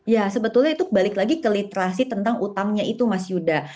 ya sebetulnya itu balik lagi ke literasi tentang utangnya itu mas yuda